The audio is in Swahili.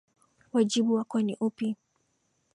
Wajibu wako ni upi?